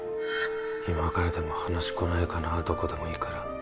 今からでも話来ないかなどこでもいいから